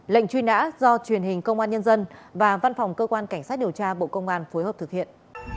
lệnh truy nã do truyền hình công an nhân dân và văn phòng cơ quan cảnh sát điều tra bộ công an phối hợp thực hiện